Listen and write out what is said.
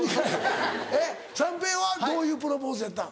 三平はどういうプロポーズやったん？